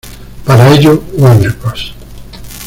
Para ello, Warner Bros.